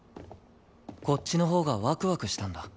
こっちのほうがワクワクしたんだ。